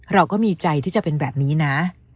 เราก็มีใจที่จะเป็นแบบนี้นะ